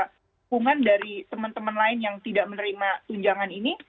dukungan dari teman teman lain yang tidak menerima tunjangan ini